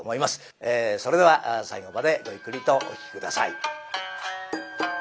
それでは最後までごゆっくりとお聴き下さい。